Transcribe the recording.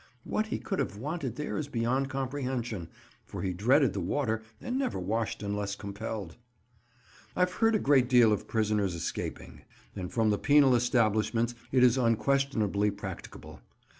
What he could have wanted there is beyond comprehension, for he dreaded the water and never washed unless compelled. I've heard a great deal of prisoners escaping, and from the penal establishments it is unquestionably practicable.